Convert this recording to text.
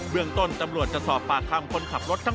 เมื่องต้นจำรวจจะสอบปากคำคนขับรถทั้ง๒คันอย่างละเอียดอีกครั้งหนึ่ง